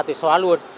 tôi xóa luôn